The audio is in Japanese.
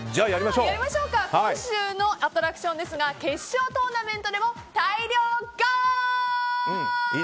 今週のアトラクションは決勝トーナメントでも大量ゴール！